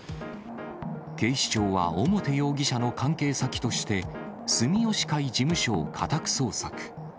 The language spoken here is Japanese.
警視庁は表容疑者の関係先として、住吉会事務所を家宅捜索。